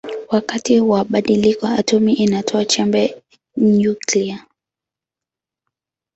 Wakati wa badiliko atomi inatoa chembe nyuklia.